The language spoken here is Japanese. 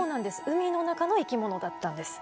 海の中の生き物だったんです。